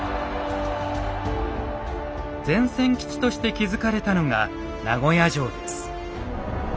前線基地として築かれたのが名護屋城です。